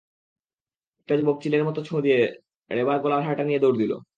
একটা যুবক চিলের মতো ছোঁ দিয়ে রেবার গলার হারটা নিয়ে দৌড় দিল।